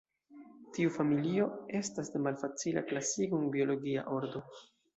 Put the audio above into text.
Tiu familio estas de malfacila klasigo en biologia ordo.